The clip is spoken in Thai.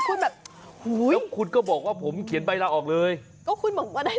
อุ๊ยแล้วคุณก็บอกว่าผมเขียนใบ่ละออกเลยผมเขียนใบ่ราคาหาลังบ้าน